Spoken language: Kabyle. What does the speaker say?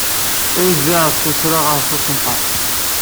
Ay tebɛed tuttra-a ɣef usentel!